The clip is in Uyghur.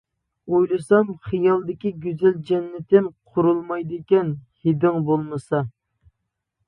ئويلىسام خىيالدىكى گۈزەل جەننىتىم، قۇرۇلمايدىكەن ھىدىڭ بولمىسا.